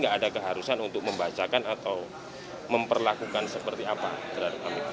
ada keharusan untuk membacakan atau memperlakukan seperti apa terhadap kami